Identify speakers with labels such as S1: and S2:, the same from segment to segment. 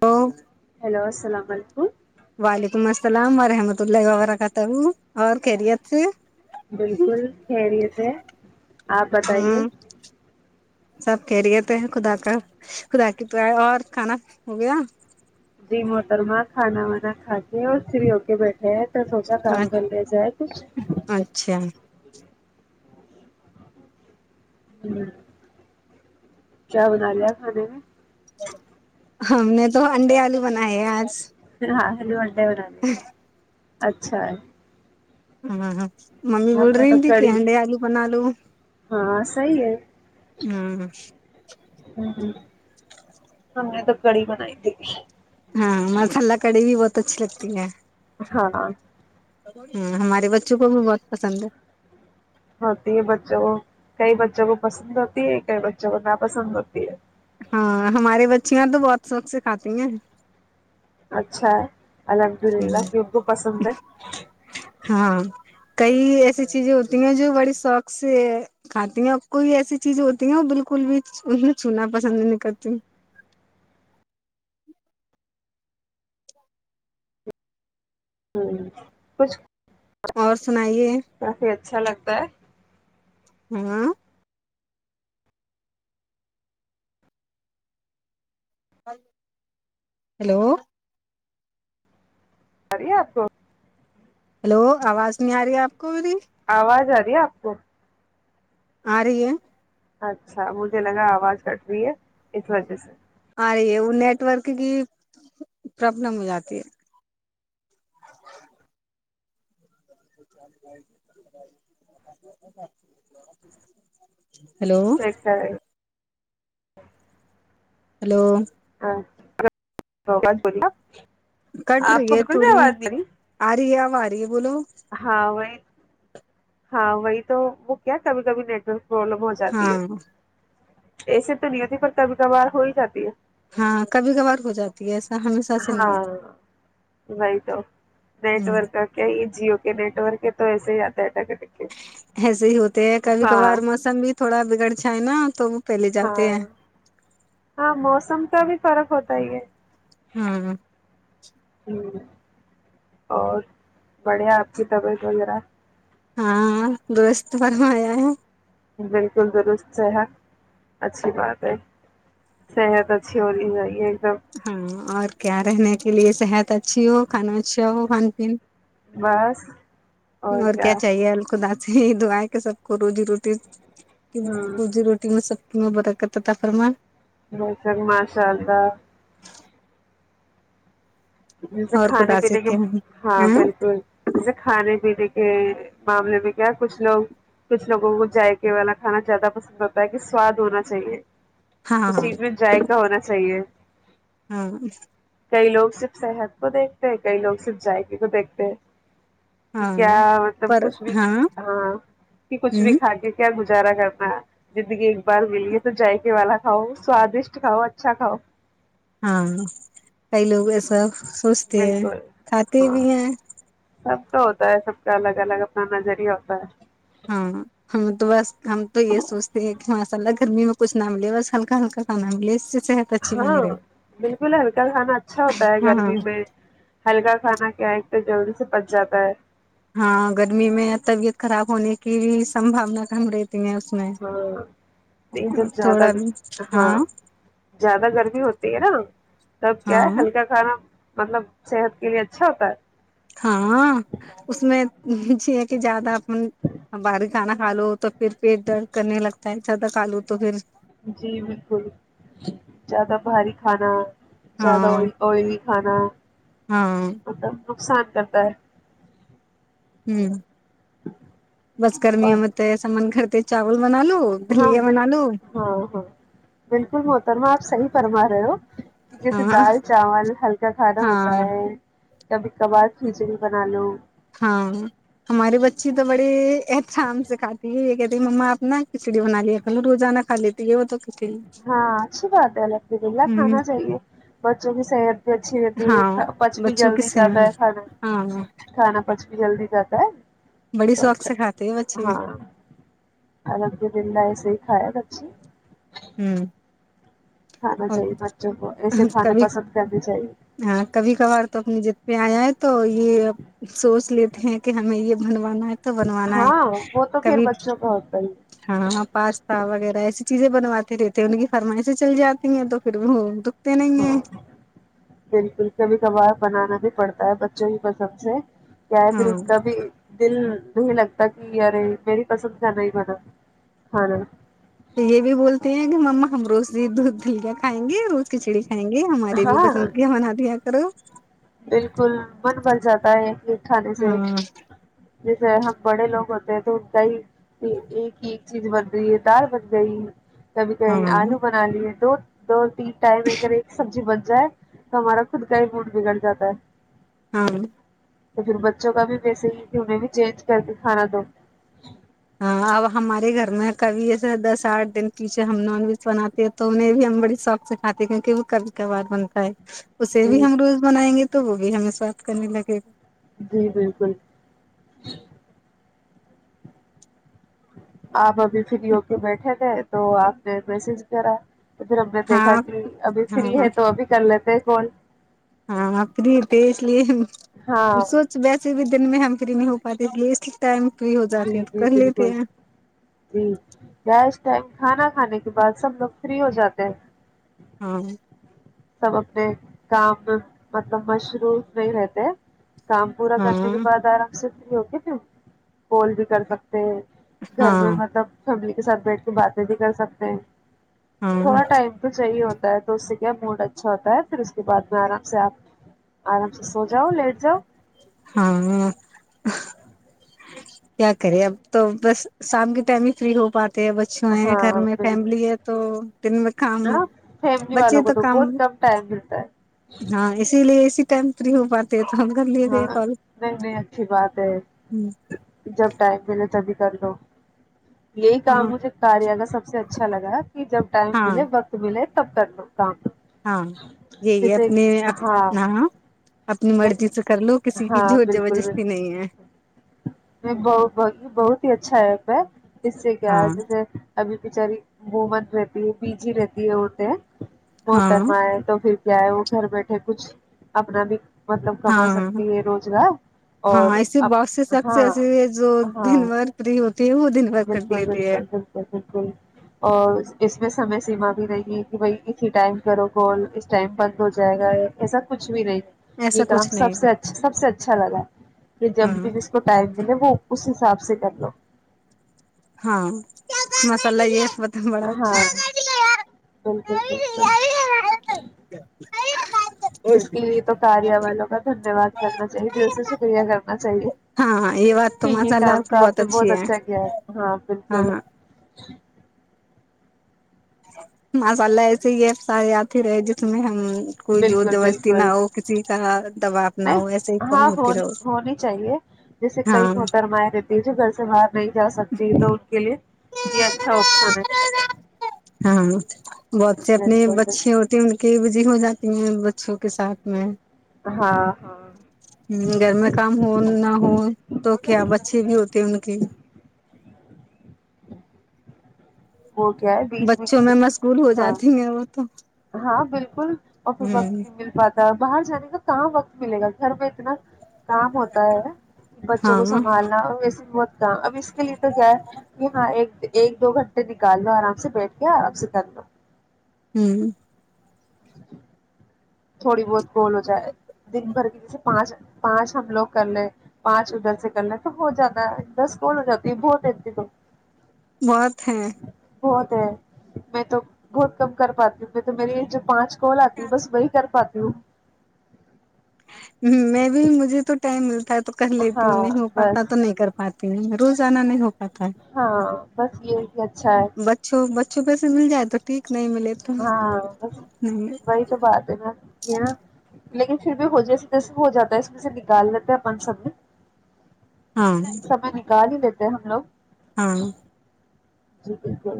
S1: تو
S2: ہیلو السلام علیکم
S1: وعلیکم السلام ورحمۃ ال دلائی بغا کاتا وہ اور کہریی سے
S2: بالکل خریت ہے آپ بتائیے
S1: ہاں سب کہہ رہے تھے خدا کا خدا کی تو اور کھانا ہو گیا
S2: ج مٹرا کانا ونا کات کے اور سری بیٹھے ہیں تو تھوا کام کر رہ ج ہے
S1: اچھا
S2: ہ کیا بنا لیا کھانے میں
S1: ہم نے تو انڈے آلو بنائے ہیں آج
S2: ہاں ہیلو د ب رہا د کے اچھا ہے
S1: ہ ہاں ہاں ممی بول
S2: ہم نے
S1: رہی
S2: تو
S1: تھی کہ
S2: کڑی
S1: انڈے آلو بنا لو
S2: ہاں صحیح
S1: ہ
S2: ہ ہ ہم نے تو کڑی بنائی تھی
S1: ہاں م ال کڑ بھی بت ب اچھی لگتی ہے
S2: ہاں
S1: ہ ہمارے بچوں کو بھی بہت پسند ہے
S2: ہوتی ہے بچوں کو کئی بچوں کو پسند ہوتی ہے کئی بچوں کو نا پسند ہوتی ہے
S1: ہاں ہمارے بچے اچیاں تو بہت سوق سے کھاتی ہیں
S2: اچھا الحمد للہ
S1: ہوں
S2: وگو پسند ہے
S1: ہاں کئی ایسی چیزیں ہوتی ہیں جو بڑی شوق سے کھاتی ہیں اور کوئی ایسی چیزیں ہوتی ہیں وہ بالکل بھی انیں چھونا پسند نہیں کرتی
S2: ہوں کچھ
S1: اور سنائیے
S2: کافی اچھا لگتا ہے
S1: ہاں [unintelligible] ہلو
S2: برییا توو
S1: ہلو آواز نہیں آ رہی آپ کو میری
S2: آواز آ آپ کو
S1: آ رہ ہے
S2: اچھا مجھے لگا آواز کٹ رہی ہے اس وجہ سے
S1: وہ نیٹورک کی پرابلم ہو جاتی ہے [unintelligible] ہیلو
S2: ہ
S1: ہلو
S2: بول
S1: کٹ رہی ہے تھوڑی آ رہ ہے ماری
S2: ہاں وہی ہاں وہی تو وہک کیا کبھی کبھی نیٹورک پرابلم ہو
S1: ہاں
S2: جاتی ہے ایسے تو نہیںتی پر کبھی کبھار ہو ہی جاتی ہے
S1: ہاں کبھی کبھار ہو جاتی ہے ہمیشہ سے نہیں
S2: ہاں وہی تو
S1: ہے ہ
S2: نیٹورک کا کیا یہ جیو نیٹ ورک تو ایسے ہی آتا ہے ٹ
S1: ایسے ہی ہوتے ہیں کبھی کبھار موسم بھی تھوڑا بگڑ ج ہے نا تو وہ پہلے
S2: ہاں
S1: جاتے ہیں
S2: ہاں موسم کا بھی فرق ہوتا ہی ہے
S1: ہاں
S2: اور بڑھیا آپ کی طبیعت وغیرہ
S1: ہاں دوست برما آیا ہے
S2: بالکل درست صحت اچھی بات ہے صحت اچھی ہوتی چاہیے دم
S1: ہاں کیا رہنے کے لیے صحت اچھی ہو کھانا اچھا وہ خان پین
S2: بس
S1: اور کیا چاہیے الل کو سدا سے ہی دھویں کے سب کو روزی روٹی
S2: ہوں
S1: روزی روٹی میں سب بر کت تفرم
S2: ب سک ماشاء اللہ ج سے
S1: اور
S2: کھانے
S1: خدا سے
S2: پینے کے
S1: کیا
S2: ہاں بالکل ج سے کھانے نے کے معاملے میں کیا کچھ لوگ کچھ لوگوں کو جائقے والا کھانا زیادہ پسند کرتا ہے کہ سواد ہونا چاہیے اس
S1: ہاں
S2: سیٹ میں جائےق ہونا چاہیے
S1: ہاں
S2: کئی لوگ صحت کو دیکھتے ہیں کئی لوگ صرف جذائقے کو دیکھتے ہیں کہ
S1: ہاں
S2: کیا مطلب
S1: پر
S2: کچھ بھی
S1: ہاں
S2: ہاں کہ کچھ بھی
S1: ہوں
S2: کھا کے کیا گارا کرنا زندگی ایک بار ملی ہے تو جائقے والا کھاؤ سوادشٹ کھاؤ اچھا کھاؤ
S1: ہاں کئی لوگ ایسا سوچتے ہیں
S2: بالکل
S1: کھاتے بھی ہیں
S2: تو ہوتا ہے سب کا الگ الگ اپنا نظریہ ہوتا ہے
S1: ہاں ہمیں تو بس ہم تو یہ سوچتے ہیں کہ ماشاء اللہ گرمی میں کچھ نہ ملے بس ہلکا ہلکا کھانا ملے اس سے صحت اچھی
S2: ہاں
S1: بنی رہے
S2: بالکل ہلکا کھانا اچھا ہوتا ہے
S1: ہاں
S2: گرمی میں ہلکا کھانا کیا ہے پ جضوری سے پچ جاتا ہے
S1: ہاں گرمی میں طبیعت خراب ہونے کی بھی سمباونا کم رہی
S2: ہاں لیکن جب زیادہ
S1: تھوڑا بھی
S2: ہاں زیادہ گرمی ہوتی ہے نا تب کیا ہے
S1: ہاں
S2: ہلکا کھانا مطلب صحت کے لیے اچھا ہوتا ہے
S1: ہاں اس میں کہ زیادہ اپن باہیک کھانا کھا لو تو پھر پیٹ درد کرنے لگتا ہے زیادہ کھا لو تو پھر
S2: جی بالکل زیادہ بھاری کھانا زیادہ ہو
S1: ہاں
S2: ہوئی نہیں اور
S1: ہاں
S2: نقصان کرتا ہے
S1: ہوں بس کرمییا
S2: اور
S1: مت ای سا من کرھر چاول بنا لو
S2: ہاں
S1: دلیا بنا
S2: بالکل
S1: لو
S2: ہاں ہاں بالکل محترما آپ صحیح فرمار رہو جیسے
S1: ہاں
S2: دال چاول ہلکا کھانا ہوتا
S1: ہاں
S2: ہے کبھی کبار کھچڑی بنا لو
S1: ہاں ہماری بچی تو بڑی شام سے کھاتی ہے یہ کہتی ما آپ نا کھچڑی بنا لیا کو روزانہ کھا لیتی ہے وہ تو کھچڑی
S2: ہاں اچچھی بات ہےے گریلا
S1: ہوں
S2: کھانا چاہیے بچوں کی صحت اچھی رہتی
S1: ہاں
S2: ہے پچ بھی
S1: بچوں کی
S2: جلدی جیااتا
S1: سیوئیں
S2: ہے کھانا
S1: ہاں
S2: کھانا پچ جلدی جاتا ہے
S1: بڑی
S2: تو
S1: شوق
S2: اچھا
S1: سے کھاتے ہیں بچے
S2: ہاں الب کے دہ ایسے ہی کھایا تھا جی
S1: ہاں اور
S2: چاہیے بچوں کو ایسے کھانے
S1: کبھی
S2: پسند کرنے چاہیے
S1: ہاں کبھی کبھار تو اپنی جد پہ آیا ہے تو یہ اب سوچ لیتے ہیں کہ ہمیں یہ بن با تو بنوانا ہے
S2: ہاں وہ تو پھر
S1: کبھی
S2: بچوں کا ہوتا ہی
S1: ہاں پاستا وغیرہ ای چیزیں بنوات رہتے ہیں ان کی فرمائیش چل جاتی س تو پھر بھی ہو تو
S2: ہاں تلکل کا بھی کباب بنانا بھی پڑتا ہے بچوں ہی پسم سے یا ہے پھر
S1: ہاں
S2: ان کا بھی دل نہیں لگتا کہ یار میری پسند کا ہی بنا کھانا
S1: تو یہ بھی بولتے ہیں کہ ما ہم روز دودھ دھلیا کھائیں گے روز کھچڑی کائیں گے ہماری بھی
S2: ہاں
S1: پسندگیاں بنا دیا کرو
S2: بالکل من بل جاتا [inaudible] اھا سے
S1: ہاں
S2: ج ہم بڑے لوگ ہوتے ہیں تو ان کا ہی ایک ہی ایک چیز بن گئی ہے دال بن گئی کبھی کیں
S1: ہاں
S2: آلو بنا لیے دو دو تین ٹائم اگر ایک سبزی بن جائے تو ہمارا خود کا ہی موڈ بگڑ ج جد ہے
S1: ہاں
S2: تو پھر بچوں کا بھی وسے ہی کہ انہیں بھی چینج کر کے کھانا دو
S1: ہاں اب ہمارے گھر میں کبھی ایسے دس آٹھ دن پیچھے ہم نان ویج بناتے ہیں تو انہیں بھی ہم بڑی شوق سے کھاتے ہیں کیونکہ وہ کبھی کبھار بنتا ہے اسے بھی
S2: جی
S1: ہم روز بنائیں گے تو وہ بھی ہمیں سوات کرنے لگے گا
S2: جی بالکل آ د فری ہو کے بیٹھے گئے تو آپ نے میسج کرا تو پھر ہم نے دیکھا
S1: ہاں
S2: کہ ابھی فری
S1: ہاں
S2: ہے تو ابھی کر لیتے بول
S1: ہاں فری پے اس لیے
S2: ہاں
S1: سوچ بیسے بھی دن میں ہم نہیں ہو پاتی ٹائم فری ہو
S2: جی
S1: جاتے ہے تو
S2: جی
S1: کر لیتے
S2: بالکل
S1: ہیں
S2: جی ٹائم کھانا کھانے کے بعد سب لوگ فری ہو جاتے ہیں
S1: ہاں
S2: سب اپنے کام میں مطلب مشروف نہیں رہتے کام پورا کرنے کے
S1: ہاں
S2: بعد آرام سے ہوک پھر کال بھی کر سکتے گھر میں
S1: ہاں
S2: مطلب فیملی سبجیکٹ کی باتیں بھی کر سکتے ہیں
S1: ہاں
S2: تھوڑا ٹائم تو صحیح ہوتا تو کیا موڈ اچھا ہوتا ہے پھر اس کے بعد میں آرام سے آپ آرام سے سو جاؤ لیٹ جاؤ
S1: ہاں کیا کرے اب تو بس شام کے ٹائم ہی فریری ہو پاتا بچوں ہیں گھر
S2: ہاں
S1: میں فیملی
S2: بالکل
S1: ہے تو دن میں کام
S2: ہاں فیملی
S1: بچے
S2: والوں کو
S1: تو کام
S2: بہت کم ٹائم ملتا ہے
S1: ہاں اسی ےی ٹم فری ہو بات
S2: ہاں نہیں نہیں اچھی بات ہے جب ٹائم ملے تبھی چلو یہی کام
S1: ہاں
S2: ہوج جو کاریا سب سرچا الگا کہ جب ٹائم
S1: ہاں
S2: ملے وقت ملے ستا
S1: ہاں یہی اپنے ہاں اپنی
S2: میں
S1: مرضی سے کر لو کسی کی
S2: ہاں
S1: جو زبردستی نہیں ہے
S2: بت یہ بہت ہی اچھا ہے ایپ ہے اس سے کیا ہے
S1: ہاں
S2: جیسے ابھی بچاری بومن رہتی ہے بی جی رہتی ہے اورتے
S1: ہاں
S2: وہترما ہے تو پھر کیا ہے وہ گھر بیٹھے کچھ اپنا بھی مطلب کما
S1: ہاں
S2: سکتی ہے روزگار
S1: ہاں
S2: اور
S1: ایسے
S2: اب
S1: بہت شخص سے
S2: ہاں
S1: جو دن
S2: ہاں
S1: بار فری ہوتی ہے وہ دن بھر کر
S2: بالکل بالکل
S1: لیتی ہے
S2: بالکل بالکل اور اس میں سمے سیما بھی نہیں ہے کہ بھائی اسی ٹائم کرو کال اس ٹائم بند ہو جائے گا ایسا کچھ بھی نہیں
S1: ایسا
S2: یہ کام
S1: کچھ
S2: سب
S1: نہیں
S2: سے اچھا سب سے اچھا لگا ہے کہ
S1: ہے ہاں
S2: جب بھی ج وہ اس حساب سے کر لو
S1: ہاں مسالس م بڑا
S2: ہاں
S1: اچھا
S2: بالکل بالکل اس کے لیے تو کاریہ والوں کا دھن بات کرنا چاہیے دل سے شکریہ کرنا چاہیے
S1: ہاں یہ بات تو
S2: ھیک یہ
S1: ماشاء اللہ
S2: کام تو
S1: کی
S2: آپ نے بہت
S1: اچھی ہے
S2: اچھا کیا ہے ہاں بالکل
S1: ہاں ماشاء اللہ ایسے یہ افسار آتی رہے جس میں ہم کوئی جو
S2: بالکل
S1: جستی نہ
S2: بالکل
S1: ہو کسی کا دباؤ نہ ہو ایسے ہی کن
S2: ہاں
S1: ہوتی
S2: ہونی
S1: رہ
S2: ہونی چاہیے جیسے کئی
S1: ہاں
S2: محترمائیں رہتی گھر سے باہر نہیں جا سکتی تو کے لیے یہ اچھا آپشن ہے
S1: ہاں بہت اپنی
S2: بالکل
S1: بچی
S2: بالکل
S1: ہوتی ان کے جی ہو جاتی ہیں بچوں کے ساتھ میں ہ
S2: ہاں ہاں
S1: گھر میں کام ہو نہ ہو تو کیا بچے بھی ہوتے ان کی
S2: وہ کیا ہے بیچ
S1: بچوں
S2: کسی
S1: میں میں اسکول ہو
S2: ہاں
S1: جاتی میں وہ تو
S2: ہاں بالکل اور
S1: ہ
S2: وقت نہیں مل پاتا باہر جانے کا کہاں وقت ملے گا گھر پہ اتنا کام ہوتا ہے کہ بچوں
S1: ہاں
S2: کو سنبھالنا اور وسی بہت اب اس کے لیے تو کیا ہے کہ ہاں ایک ایک دو گھنٹے نکال لو آرام سے بیٹھ کے آرام سے کر لو
S1: ہوں
S2: ج جی تھوڑی بہت گول ہو جائے دن بھر کی جیسے پانچ پانچ ہم لوگ کر لیں پانچ ادھر سے کر لیں تو بت جاتا ہے دس گول ہو جاتی ہے بہت دیتی ت
S1: بہت ہیں
S2: بہت ہے میں تو بہت کم کر پاتی ہوں میں تو میری جو پانچ کال آتی بس ب کر پاتتی ہ ہو
S1: میں بھی مجھے تو ٹائم ملتا تو کر لیتی
S2: ہاں
S1: ہوں نہیں ہو پاتا
S2: بس
S1: تو نہیں کر پاتی روزانہ ن نے ہو پاتا ہے
S2: ہاں بس یہ بھی اچھا ہے
S1: اچھپہ سے مل جائے تو ٹھیک نہیں ملے تو
S2: ہاں بس
S1: نہیں
S2: وہی تو بات ہے ن ہے ن لیکن پھر بھی ہو جائے جیسے ہو جاتا ہے اس میں سے نکال لیتے ہیں اپن سب میں
S1: ہاں
S2: گا ہی دیتے ہیں ہم لوگ
S1: ہاں
S2: ج بنکل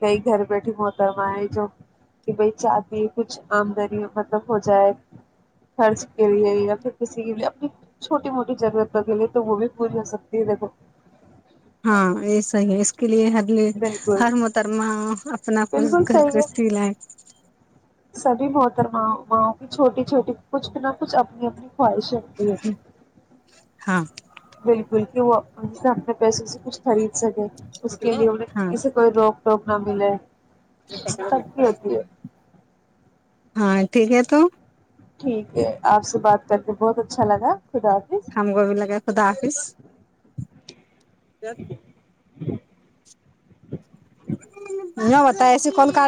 S2: کئی گھر بیٹھیے محترمہ ہے جو کہ بھائی چاہتی ہے کچھ آمدنی مطلب ہو جائے خرچ کے لیے یا پھر کسی کے لیے اپنی چھوٹی موٹی ضرورتوں کے لیے تو وہ بھی پوری ہو سکتی ہے دیکھو
S1: ہاں یہ صحی ہے کے لیے ہر ل
S2: بالکل
S1: ہر محترمہ اپنا کچھ
S2: بالکل
S1: کرھر
S2: صحیح
S1: کر
S2: ہے
S1: س لائے
S2: ما ماں کی چھوٹی چھوٹی کچھ بنا کچھ اپنی اپنی ہو شک
S1: ہاں
S2: بالکل کہ وہ ان سے اپنے پیسوں سے کچھ خرید سکے اس کے لیے
S1: ہاں
S2: اسے کوئی روک پروگرام ملے سب کی
S1: [unintelligible]
S2: ہوتی ہے
S1: ہاں ٹھیک ہے تو
S2: ٹھیک ہے آپ سے بات کرتے بہت اچھا لگا خدا حافظ
S1: ہم کووبھی لگے خدا حافظ ج ج [unintelligible]
S2: جی [unintelligible]
S1: یہ بت ایسے کون ک